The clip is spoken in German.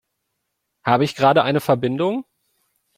Habe ich gerade eine Verbindung?